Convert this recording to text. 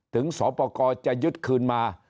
สปกรจะยึดคืนมา